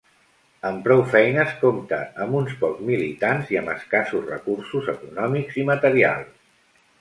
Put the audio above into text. Amb prou feines compta amb uns pocs militants i amb escassos recursos econòmics i materials.